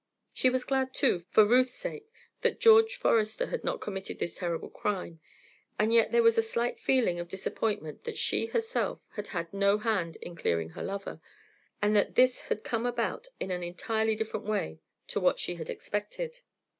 She was glad, too, for Ruth's sake that George Forester had not committed this terrible crime; and yet there was a slight feeling of disappointment that she herself had had no hand in clearing her lover, and that this had come about in an entirely different way to what she had expected.